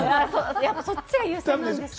そっちが優先なんですかね。